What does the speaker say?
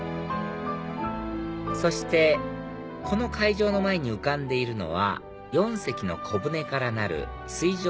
そしてこの会場の前に浮かんでいるのは４隻の小船からなる水上